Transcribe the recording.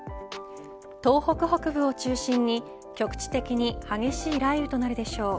東北北部を中心に局地的に激しい雷雨となるでしょう。